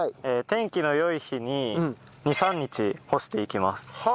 天気の良い日に２３日干していきます。